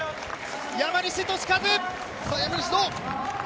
山西利和！